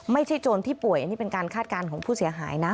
โจรที่ป่วยอันนี้เป็นการคาดการณ์ของผู้เสียหายนะ